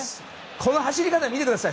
この走り方を見てください。